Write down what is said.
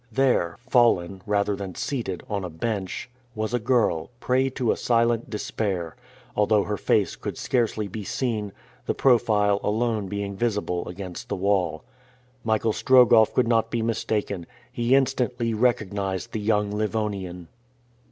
There, fallen, rather than seated, on a bench, was a girl, prey to a silent despair, although her face could scarcely be seen, the profile alone being visible against the wall. Michael Strogoff could not be mistaken. He instantly recognized the young Livonian.